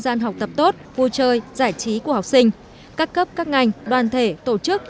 gian học tập tốt vui chơi giải trí của học sinh các cấp các ngành đoàn thể tổ chức